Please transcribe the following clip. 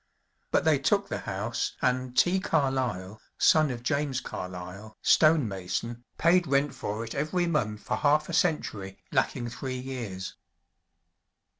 But they took the house, and T. Carlyle, son of James Carlyle, stone mason, paid rent for it every month for half a century, lacking three years.